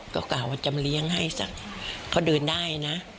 ก็กล่าวว่าจะมาเลี้ยงให้เขาเดินได้นะ